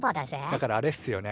だからあれっすよね。